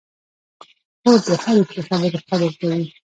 خور د هرې ښې خبرې قدر کوي.